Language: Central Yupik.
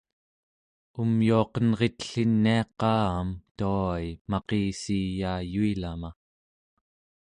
umyuaqenritliniaqa-am tua-i maqissiyaayuilama